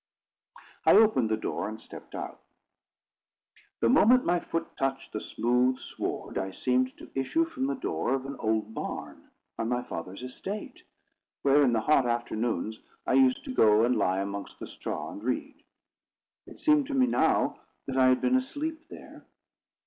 I opened the door, and stepped out. The moment my foot touched the smooth sward, I seemed to issue from the door of an old barn on my father's estate, where, in the hot afternoons, I used to go and lie amongst the straw, and read. It seemed to me now that I had been asleep there.